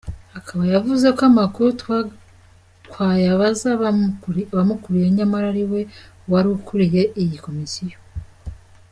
Akaba yavuze ko amakuru twayabaza abamukuriye nyamara ari we wari ukuriye iyi komisiyo.